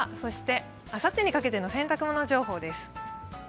そしてあさってにかけての洗濯物情報です。